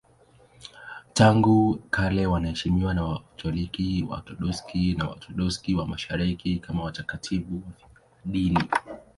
Tangu kale wanaheshimiwa na Wakatoliki, Waorthodoksi na Waorthodoksi wa Mashariki kama watakatifu wafiadini.